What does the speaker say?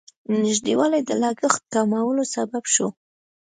نږدېوالی د لګښت کمولو سبب شو.